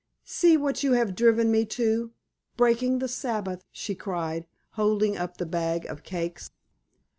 "See what you have driven me to—breaking the Sabbath," she cried, holding up the bag of cakes.